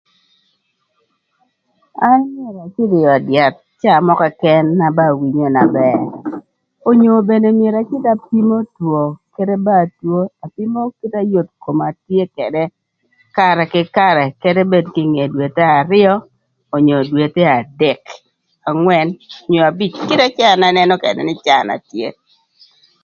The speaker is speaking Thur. An acïdhö ï öd yath caa mörö këkën na ba awinyo na bër onyo bene acïdhö apimo two kadï ba atwo kite yot koma tye këdë ëk karë kï karë kede bedo kinge dwethe arïö onyo dwethe adek, angwën onyo abic kede kite cë an anënö këdë